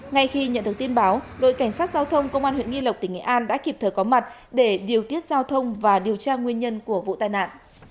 ngay khi nhận được tin báo đội cảnh sát giao thông công an huyện nghi lộc tỉnh nghệ an đã kịp thời có mặt để điều tiết giao thông và điều tra nguyên nhân của vụ tai nạn